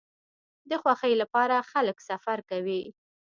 د خوښۍ لپاره خلک سفر کوي.